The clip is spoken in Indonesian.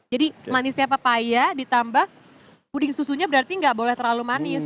jadi manisnya pepaya ditambah puding susunya berarti enggak boleh terlalu manis